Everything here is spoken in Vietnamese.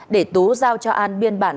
để tú giao cho an biên bản